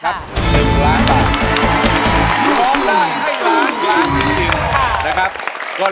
พร้อมได้ให้ล้านลูกทุ่งสู้ชีวิต